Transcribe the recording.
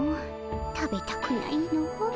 食べたくないの。